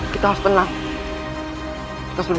kita harus tenang